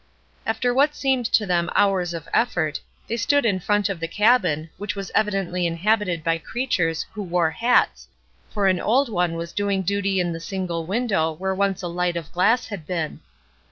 After what seemed to them hours of effort, they stood in front of the cabin, which was evidently inhabited by creatures who wore hats, for an old one was doing duty in the single window where once a light of glass had been.